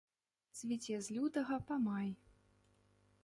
Цвіце з лютага па май.